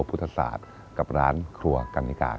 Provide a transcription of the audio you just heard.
กลับมาสืบสาวเรื่องราวความประทับใจ